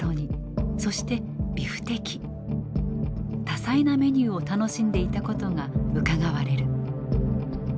多彩なメニューを楽しんでいたことがうかがわれる。